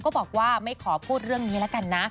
บอกว่าไม่ขอพูดเรื่องนี้แล้วกันนะ